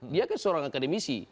dia kan seorang akademisi